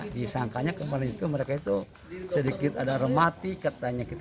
disangkanya kemarin itu mereka itu sedikit ada remati katanya gitu